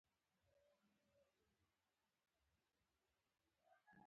خلکو ته اجازه ورکړل شوه چې سره زر راغونډ او چاڼ کړي.